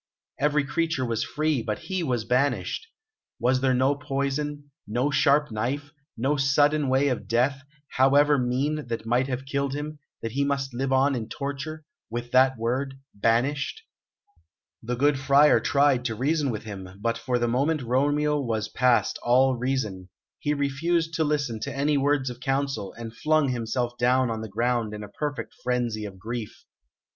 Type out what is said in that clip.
Every creature was free, but he was banished. Was there no poison, no sharp knife, no sudden way of death, however mean, that might have killed him, that he must live on in torture, with that word "banished"? The good Friar tried to reason with him, but for the moment Romeo was past all reason; he refused to listen to any words of counsel, and flung himself down on the ground in a perfect frenzy of grief.